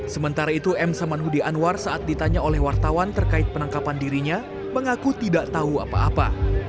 sementara itu m samanhudi anwar saat ditanya oleh wartawan terkait penangkapan dirinya mengaku tidak tahu apa apa